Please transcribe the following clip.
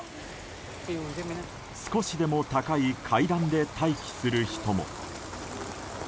少しでも高い階段で待機する人も。